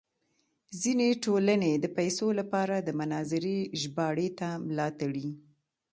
ځینې ټولنې د پیسو لپاره د مناظرې ژباړې ته ملا تړي.